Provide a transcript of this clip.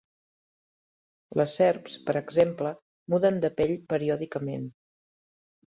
Les serps, per exemple, muden de pell periòdicament.